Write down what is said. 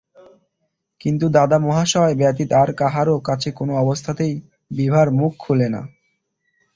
কিন্তু দাদামহাশয় ব্যতীত আর কাহারও কাছে কোনো অবস্থাতেই বিভার মুখ খুলে না।